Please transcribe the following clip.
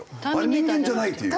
人間じゃないっていう。